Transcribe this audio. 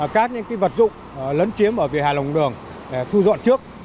các vật dụng lấn chiếm ở về hài lòng đường để thu dọn trước